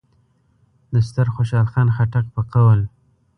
د ستر خوشحال خان خټک په قول: